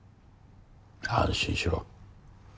安心しろ。